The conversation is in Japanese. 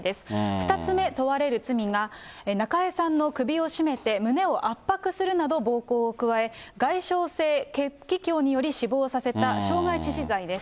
２つ目問われる罪が、中江さんの首を絞め、胸を圧迫するなど暴行を加え、外傷性血気胸により死亡させた傷害致死罪です。